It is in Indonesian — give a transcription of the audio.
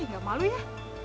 gak malu ya